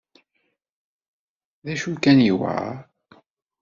D acu kan, yewɛer.